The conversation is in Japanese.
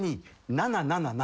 ７７７。